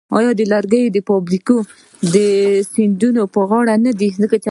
آیا د لرګیو فابریکې د سیندونو په غاړه نه وې؟